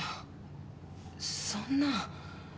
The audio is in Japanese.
そんな。